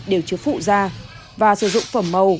đều chứa phụ ra và sử dụng phẩm màu